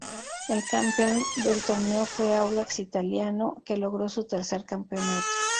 El campeón del torneo fue Audax Italiano, que logró su tercer campeonato.